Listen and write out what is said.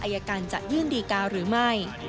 อายการจะยื่นดีการหรือไม่